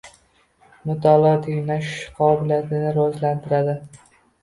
Mutolaa tinglash qobiliyatini rivojlantiradi.